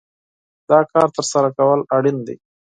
دا کار ترسره کول اړين دي.